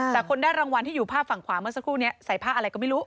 แต่คนได้รางวัลที่อยู่ภาพฝั่งขวาเมื่อสักครู่นี้ใส่ผ้าอะไรก็ไม่รู้